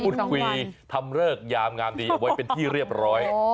พูดคุยทำเลิกยามงามดีเอาไว้เป็นที่เรียบร้อย